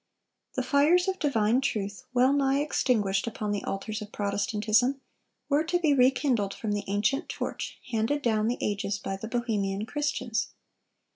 (370) The fires of divine truth, well nigh extinguished upon the altars of Protestantism, were to be rekindled from the ancient torch handed down the ages by the Bohemian Christians.